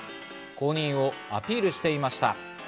後任をアピールしていました。